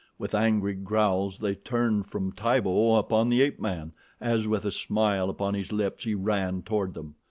With angry growls they turned from Tibo upon the ape man, as, with a smile upon his lips, he ran toward them.